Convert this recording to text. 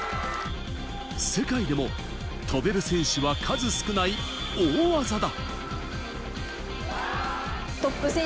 世界でも飛べる選手は数少ない大技だ。